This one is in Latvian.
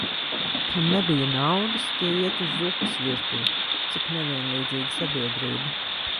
Kam nebija naudas, tie iet uz zupas virtuvi. Cik nevienlīdzīga sabiedrība.